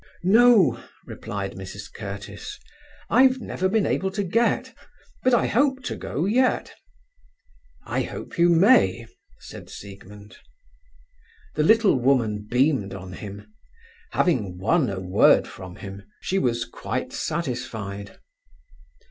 "No," replied Mrs. Curtiss. "I've never been able to get; but I hope to go yet." "I hope you may," said Siegmund. The little woman beamed on him. Having won a word from him, she was quite satisfied.